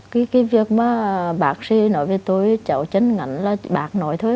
cái việc mà bác sĩ nói về tôi cháu chân ngắn là bác nói thôi